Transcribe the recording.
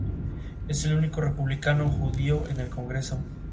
Su puesto como secretario de estado fue ocupado por John Hay.